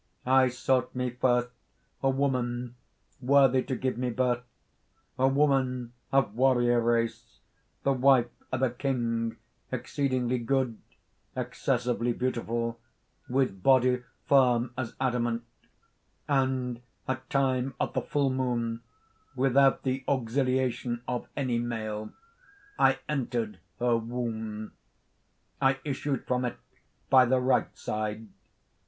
"I sought me first a woman worthy to give me birth: a woman of warrior race, the wife of a king, exceedingly good, excessively beautiful, with body firm as adamant; and at time of the full moon, without the auxiliation of any male, I entered her womb. "I issued from it by the right side.